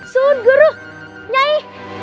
sud guru nyai